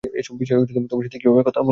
এসব বিষয়ে তোমার সাথে কীভাবে কথা বলবো।